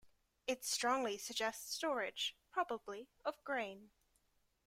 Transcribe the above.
It strongly suggests storage, probably of grain.